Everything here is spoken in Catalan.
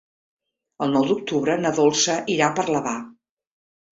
El nou d'octubre na Dolça irà a Parlavà.